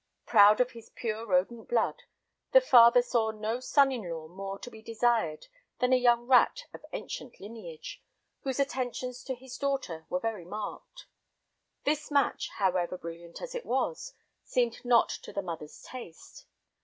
Proud of his pure rodent blood, the father saw no son in law more to be desired than a young rat of ancient lineage, whose attentions to his daughter were very marked. This match, however, brilliant as it was, seemed not to the mother's taste.